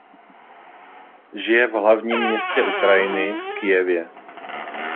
Žije v hlavním městě Ukrajiny v Kyjevě.